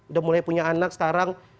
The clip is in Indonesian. udah mulai punya anak sekarang